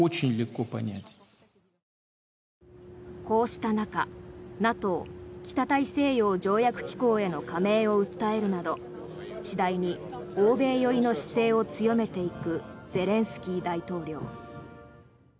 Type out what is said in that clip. こうした中ＮＡＴＯ・北大西洋条約機構への加盟を訴えるなど次第に欧米寄りの姿勢を強めていくゼレンスキー大統領。